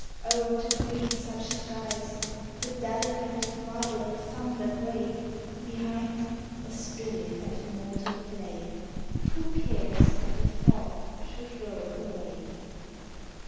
Oh, to greet such skies — The delicate, violet, thunder gray, Behind, a spirit at mortal play ! Who cares that the fog should roll away